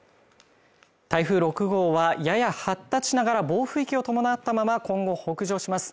台風６号はやや発達しながら暴風域を伴ったまま今後北上します